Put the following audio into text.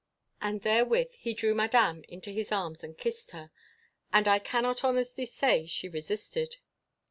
And therewith he drew Madame into his arms and kissed her; and I cannot honestly say she resisted.